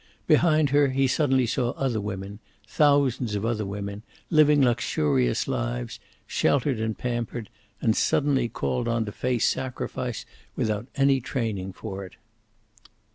Behind her he suddenly saw other women, thousands of other women, living luxurious lives, sheltered and pampered, and suddenly called on to face sacrifice without any training for it.